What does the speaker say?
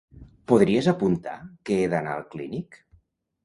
Podries apuntar que he d'anar al clínic?